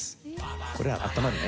これは温まるね。